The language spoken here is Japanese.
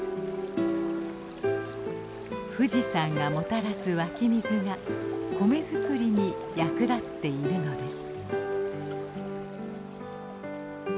富士山がもたらす湧き水が米作りに役立っているのです。